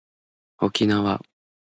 おきなわ